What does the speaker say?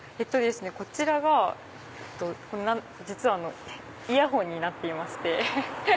こちらが実はイヤホンになっていまして。